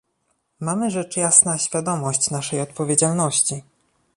Mamy rzecz jasna świadomość naszej odpowiedzialności